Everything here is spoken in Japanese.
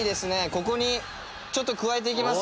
ここにちょっと加えていきます。